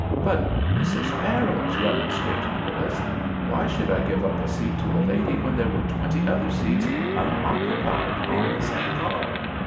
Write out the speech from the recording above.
"But, Mrs. Barrows," remonstrated Willis, "why should I give up a seat to a lady when there were twenty other seats unoccupied on the same car?"